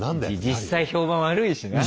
実際評判悪いしな。